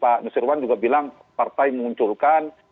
pak nusirwan juga bilang partai memunculkan